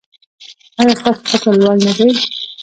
ایا ستاسو فکر لوړ نه دی؟